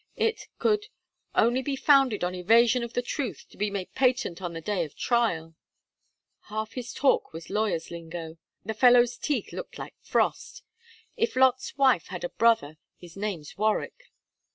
It could "only be founded on evasion of the truth to be made patent on the day of trial." Half his talk was lawyers' lingo. The fellow's teeth looked like frost. If Lot's wife had a brother, his name's Warwick.